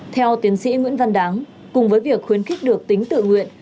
theo tiến sĩ nguyễn văn đáng cùng với việc khuyến khích được tính tự nguyện